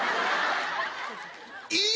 いい。